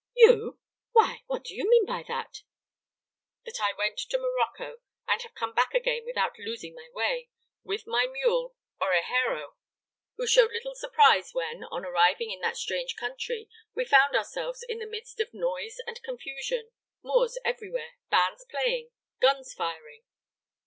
"You! Why, what do you mean by that?" "That I went to Morocco and have come back again without losing my way, with my mule Orejero, who showed little surprise when, on arriving in that strange country, we found ourselves in the midst of noise and confusion Moors everywhere, bands playing, guns firing."